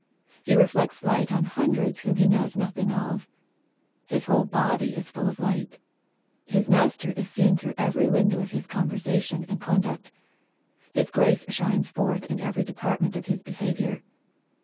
He reflects light on hundreds whom he knows nothing of. " His whole body is full of light." His Master is seen through every window of his conversation and con duct. His grace shines forth in every department of his behavior.